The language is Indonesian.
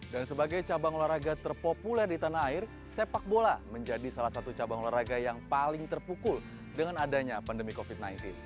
dan sebagai cabang olahraga terpopuler di tanah air sepak bola menjadi salah satu cabang olahraga yang paling terpukul dengan adanya pandemi covid sembilan belas